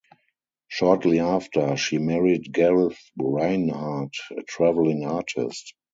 Shortly after, she married Gareth Rhynhart, a traveling artist.